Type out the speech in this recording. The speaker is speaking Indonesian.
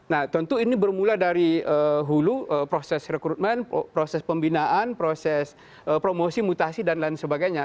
nah tentu ini bermula dari hulu proses rekrutmen proses pembinaan proses promosi mutasi dan lain sebagainya